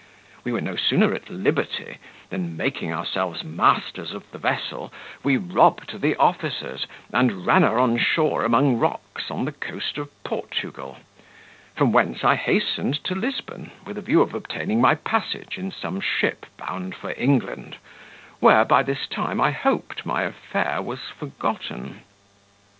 We were no sooner at liberty, than, making ourselves masters of the vessel, we robbed the officers, and ran her on shore among rocks on the coast of Portugal; from whence I hastened to Lisbon, with a view of obtaining my passage in some ship bound for England, where, by this time, I hoped my affair was forgotten.